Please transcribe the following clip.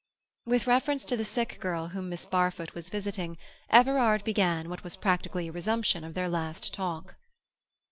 With reference to the sick girl whom Miss Barfoot was visiting, Everard began what was practically a resumption of their last talk.